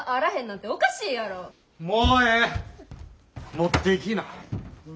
持っていきな。